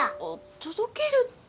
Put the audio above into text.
届けるって。